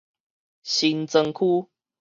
新莊區